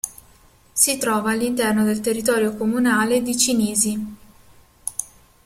Si trova all'interno del territorio comunale di Cinisi.